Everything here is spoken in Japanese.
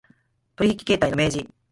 取引態様の明示